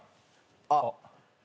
あっ。